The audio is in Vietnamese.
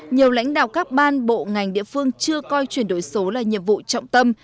nhiều lãnh đạo các ban bộ ngành địa phương chưa coi chuyển đổi số là nhiệm vụ trọng tâm